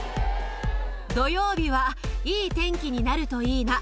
土曜日はいい天気になるといいな。